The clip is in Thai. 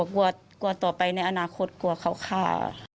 กลัวต่อไปในอนาคตกลัวเขาฆ่า